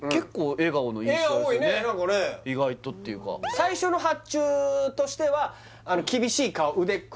笑顔多いね何かね意外とっていうか最初の発注としては厳しい顔腕組